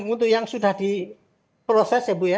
untuk yang sudah diproses ya bu ya